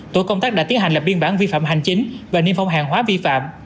tổ công tác đã tiến hành lập biên bản vi phạm hành chính và niêm phong hàng hóa vi phạm